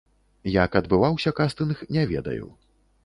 Як адбываўся кастынг, не ведаю.